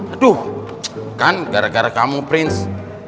aduh kan gara gara kamu prince